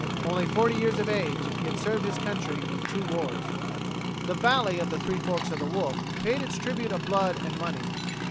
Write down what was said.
Only forty years of age, he had served his country in two wars. The "Valley of the Three Forks o' the Wolf" paid its tribute of blood and money.